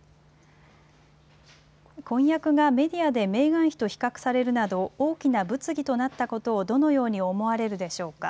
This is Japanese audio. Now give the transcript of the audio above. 婚約がメディアでメーガン妃と比較されるなど、大きな物議となったことをどのように思われるでしょうか。